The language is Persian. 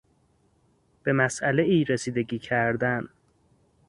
به مسئلهای رسیدگی کردن